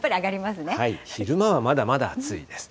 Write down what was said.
昼間はまだまだ暑いです。